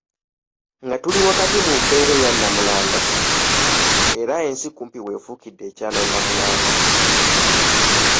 Nga tuli wakati mu mbeera eya Nnamulanda. Era ensi kumpi w'efuukidde ekyalo Namulanda.